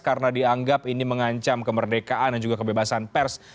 karena dianggap ini mengancam kemerdekaan dan juga kebebasan pers